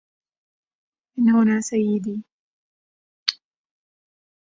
من هنا، سيدي.